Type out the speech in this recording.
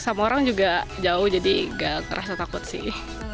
sama orang juga jauh jadi gak terasa takut sih